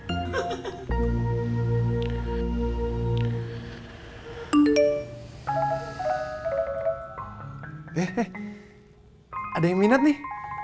eh eh ada yang minat nih